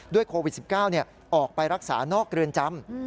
ด้วยโควิด๑๙เนี่ยออกไปรักษานอกเรือนจำ